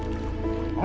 あれ？